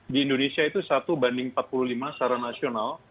di indonesia itu satu banding empat puluh lima secara nasional